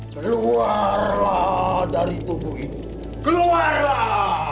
keluarlah dari tubuh ini keluarlah